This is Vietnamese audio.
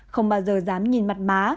không bao giờ dám nhìn mặt má